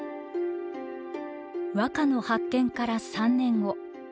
和歌の発見から３年後。